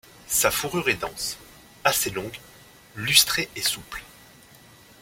Sa fourrure est dense, assez longue, lustrée et souple.